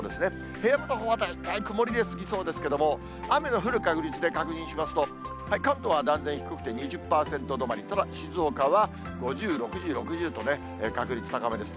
平野部のほうは大体曇り空でいつもですけれども、雨の降る確率で確認しますと、関東は断然低くて２０％止まり、ただ静岡は５０、６０、６０とね、確率高めです。